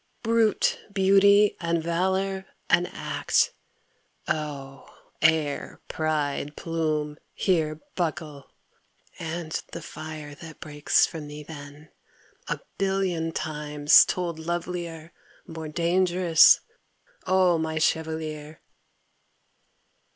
Brute beauty and valour and act, oh, air, pride, plume, here Buckle! AND the fire that breaks from thee then, a billion Times told lovelier, more dangerous, O my chevalier!